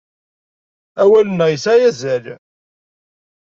Awal-nneɣ yesɛa azal.